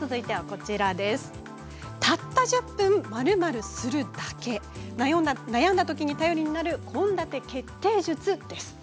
続いてはたった１０分○○するだけ悩んだときに頼りになる献立決定術です。